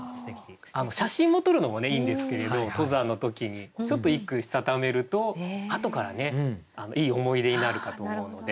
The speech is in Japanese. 写真も撮るのもいいんですけれど登山の時にちょっと一句したためるとあとからねいい思い出になるかと思うので。